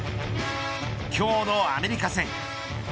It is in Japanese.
今日のアメリカ戦。